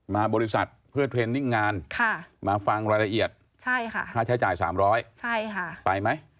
มาบริษัทเพื่อเทรนนิ่งงานมาฟังรายละเอียดค่าใช้จ่าย๓๐๐ไปไหม